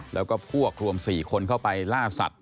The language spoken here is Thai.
แล้วก็พวกรวม๔คนเข้าไปล่าสัตว